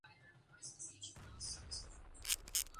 Hormesis remains largely unknown to the public.